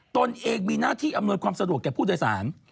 ตนเองมีหน้าที่อำนวยความสะดวกแก่ผู้โดยสาร